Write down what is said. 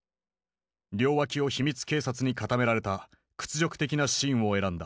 両脇を秘密警察に固められた屈辱的なシーンを選んだ。